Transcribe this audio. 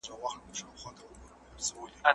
شاګردانو ته د موضوع جوړښت ور په ګوته کړئ.